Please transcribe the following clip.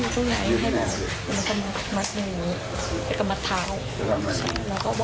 อ่าเดี๋ยวไปฟังเขาค่ะใช่ค่ะฟังช่วงเหตุการณ์เลยนะนะครับ